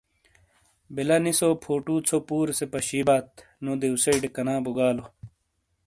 بلہ نیسو فوٹو ژھو پورے سے پشیبات نو دیوسیٹے کنابو گالو۔